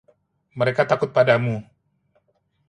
Mereka takut padamu.